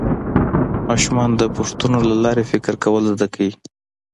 ماشومان د پوښتنو له لارې فکر کول زده کوي